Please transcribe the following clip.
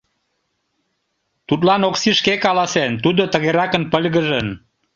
Тудлан Окси шке каласен, тудо тыгеракын пыльгыжын: